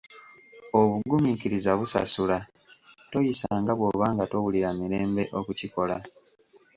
Obugumiikiriza busasula toyisanga bwoba nga towulira mirembe okukikola.